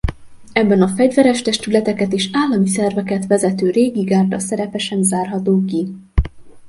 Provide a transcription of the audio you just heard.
Ebben a fegyveres testületeket és állami szerveket vezető régi gárda szerepe sem zárható ki.